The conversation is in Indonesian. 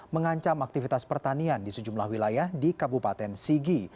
mengancam aktivitas pertanian di sejumlah wilayah di kabupaten sigi